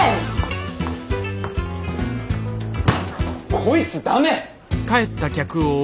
こいつダメ！